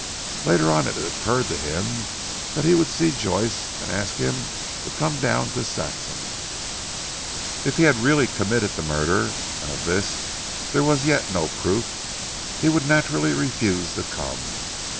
Later on it occurred to him that he would see Joyce and ask him to come down to Saxham. If he had really committed the murder (and of this there was as yet no proof) he would naturally refuse to come.